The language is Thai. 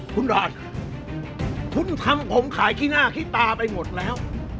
คุณบาทคุณทำผมขายขี้หน้าขี้ตาไปหมดแล้ว